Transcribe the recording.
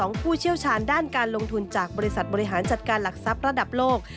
ผู้เชี่ยวชาญด้านการลงทุนจากบริษัทบริหารจัดการหลักทรัพย์ระดับโลก